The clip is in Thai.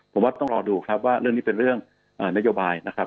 ผมว่าต้องรอดูครับว่าเรื่องนี้เป็นเรื่องนโยบายนะครับ